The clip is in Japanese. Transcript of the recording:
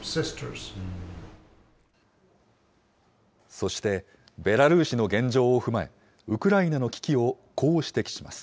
そして、ベラルーシの現状を踏まえ、ウクライナの危機をこう指摘します。